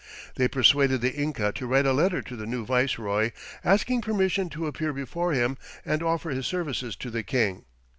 They persuaded the Inca to write a letter to the new viceroy, asking permission to appear before him and offer his services to the king.